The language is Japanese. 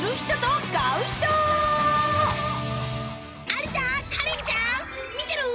有田カレンちゃん見てる？